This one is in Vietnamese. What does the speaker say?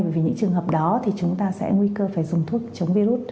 vì những trường hợp đó thì chúng ta sẽ nguy cơ phải dùng thuốc chống virus